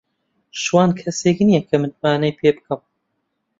شوان کەسێک نییە کە متمانەی پێ بکەم.